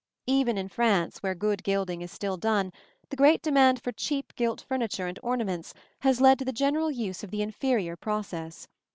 Even in France, where good gilding is still done, the great demand for cheap gilt furniture and ornaments has led to the general use of the inferior process.